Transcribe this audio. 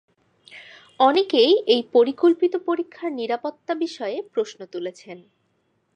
অনেকেই এই পরিকল্পিত পরীক্ষার নিরাপত্তা বিষয়ে প্রশ্ন তুলেছেন।